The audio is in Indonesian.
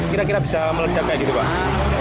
kira kira bisa meledak kayak gitu pak